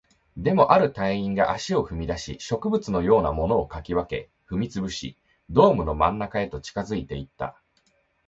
でも、ある隊員が足を踏み出し、植物のようなものを掻き分け、踏み潰し、ドームの真ん中へと近づいていった